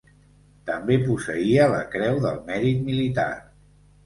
També posseïa la creu del mèrit militar.